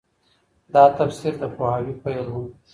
دا تفسیر د پوهاوي پيل و.